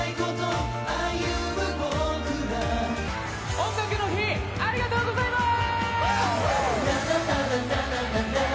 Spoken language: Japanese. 「音楽の日」、ありがとうございます！